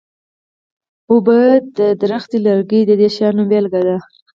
اوبه او د ونې لرګي د دې شیانو بیلګې دي.